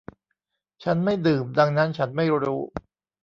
ฉันไม่ดื่มดังนั้นฉันไม่รู้